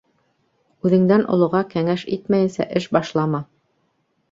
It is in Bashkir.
Үҙеңдән олоға кәңәш итмәйенсә эш башлама.